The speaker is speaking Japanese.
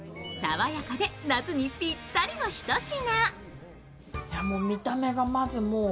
爽やかで夏にぴったりのひと品。